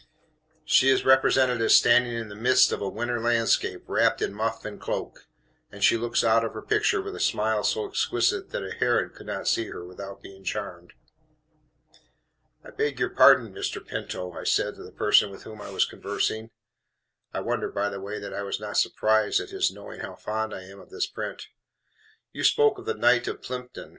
She is represented as standing in the midst of a winter landscape, wrapped in muff and cloak; and she looks out of her picture with a smile so exquisite that a Herod could not see her without being charmed. "I beg your pardon, Mr. PINTO," I said to the person with whom I was conversing. (I wonder, by the way, that I was not surprised at his knowing how fond I am of this print.) "You spoke of the Knight of Plympton.